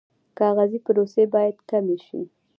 کاغذي پروسې باید کمې شي